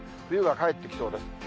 冬が帰ってきそうです。